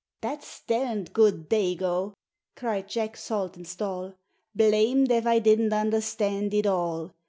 "That's derned good Dago," cried Jack Saltonstall; "Blamed ef I didn't understand it all.